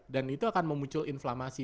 dan itu akan memuncul inflamasi